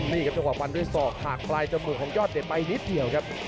นี่ครับจังหวะฟันด้วยศอกห่างปลายจมูกของยอดเด็ดไปนิดเดียวครับ